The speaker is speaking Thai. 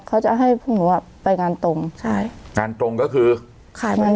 เขาจะให้พวกหนูอ่ะไปงานตรงใช่งานตรงก็คือขายไม่